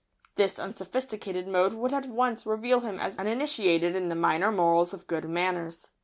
This unsophisticated mode would at once reveal him as uninitiated in the minor morals of good manners.